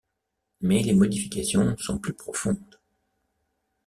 Mais les modifications sont plus profondes.